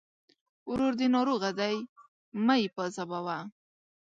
ورور دې ناروغه دی! مه يې پاذابوه.